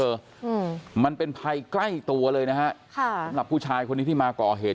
อืมมันเป็นภัยใกล้ตัวเลยนะฮะค่ะสำหรับผู้ชายคนนี้ที่มาก่อเหตุ